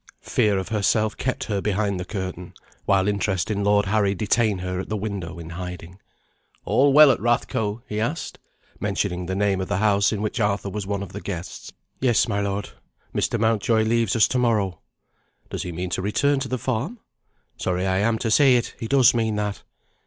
Fear of herself kept her behind the curtain; while interest in Lord Harry detained her at the window in hiding. "All well at Rathco?" he asked mentioning the name of the house in which Arthur was one of the guests. "Yes, my lord. Mr. Mountjoy leaves us to morrow." "Does he mean to return to the farm?" "Sorry I am to say it; he does mean that."